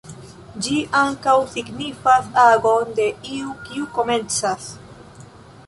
Ĝi ankaŭ signifas agon de iu, kiu komencas.